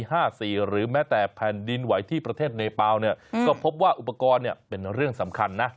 หรือแม้แต่แผ่นดินไหวที่ประเทศเนเปล่าเนี่ยก็พบว่าอุปกรณ์เนี่ยเป็นเรื่องสำคัญนะ